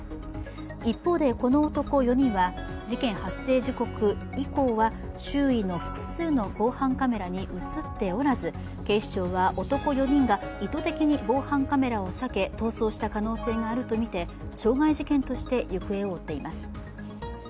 一方で、この男４人は事件発生時刻以降は周囲の複数の防犯カメラに映っておらず警視庁は、男４人が意図的に防犯カメラを避け逃走した可能性があるとみて傷害事件として行方を追っています。